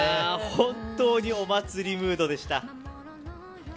本当にお祭りムードでした。